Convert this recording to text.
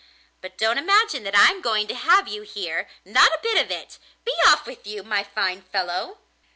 But don't imagine that I'm going to have you here not a bit of it, be off with you, my fine fellow!